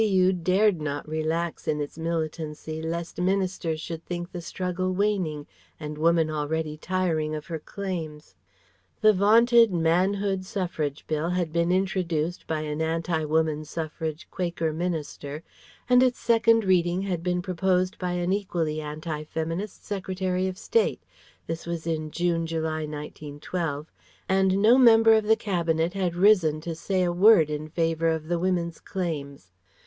U. dared not relax in its militancy lest Ministers should think the struggle waning and Woman already tiring of her claims. The vaunted Manhood Suffrage Bill had been introduced by an anti woman suffrage Quaker Minister and its Second reading been proposed by an equally anti feminist Secretary of State this was in June July, 1912; and no member of the Cabinet had risen to say a word in favour of the Women's claims.